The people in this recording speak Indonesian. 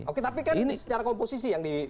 oke tapi kan ini secara komposisi yang di